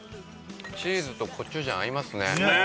チーズとコチュジャン合いますね・ねえ